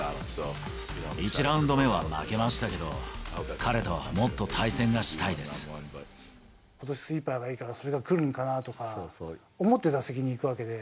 １ラウンド目は負けましたけど、ことしスイーパーがいいから、それが来るのかなとか思って打席に行くわけで。